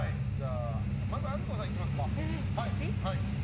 まずは安藤さんいきますか。